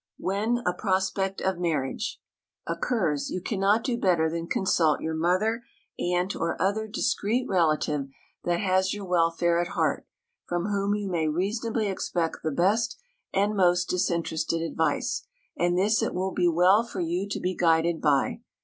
WHEN A PROSPECT OF MARRIAGE occurs you cannot do better than consult your mother, aunt, or other discreet relative that has your welfare at heart, from whom you may reasonably expect the best and most disinterested advice; and this it will be well for you to be guided by.